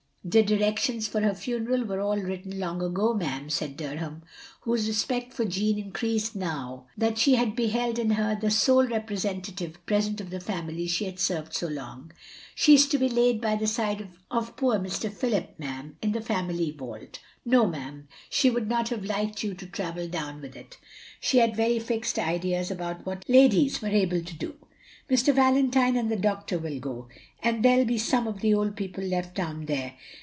"The directions for her ftmeral was all written long ago, ma'am," said Dunham, whose respect for Jeanne increased now that she beheld in her the sole representative present of the family she had served so long. "She is to be laid by the side of poor Mr. Philip, ma'am, in the family vault. No *m, she would not have liked you to travel down with it. She had very fixed ideas about what ladies were able to do. Mr. Valentine and the doctor will go. And there '11 be some of the old people left down there.